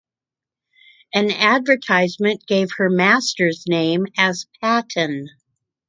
An advertisement gave her masters name as Patton.